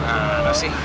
nah udah sih